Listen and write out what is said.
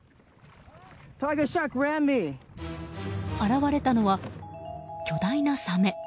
現れたのは、巨大なサメ。